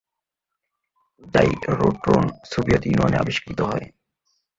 Gyrotron Soviet ইউনিয়নে আবিষ্কৃত হয়।